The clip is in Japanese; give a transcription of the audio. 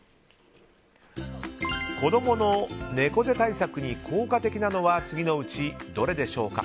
子供の猫背対策に効果的なのは次のうちどれでしょうか。